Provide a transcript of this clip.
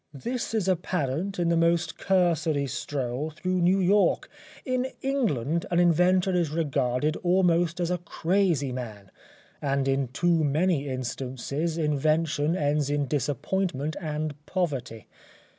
This is apparent in the most cursory stroll through New York. In England an inventor is regarded almost as a crazy man, and in too many instances invention ends in disappointment and poverty.